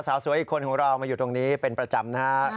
สาวสวยอีกคนของเรามาอยู่ตรงนี้เป็นประจำนะครับ